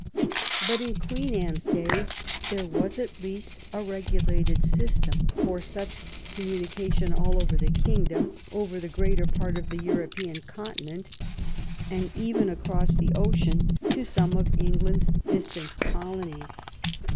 But in Queen Anne's days there was at least a regulated system for such com munication all over the kingdom, over the greater part of the European continent, and even across the ocean to some of England's distant colonies.